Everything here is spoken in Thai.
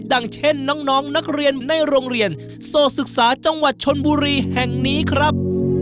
อย่างเช่นน้องนักเรียนในโรงเรียนโสดศึกษาจังหวัดชนบุรีแห่งนี้ครับ